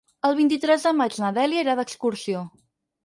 El vint-i-tres de maig na Dèlia irà d'excursió.